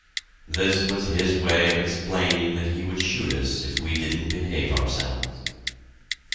This was his way of explaining that he would shoot us if we didn't behave ourselves.